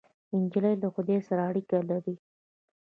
نجلۍ له خدای سره اړیکه لري.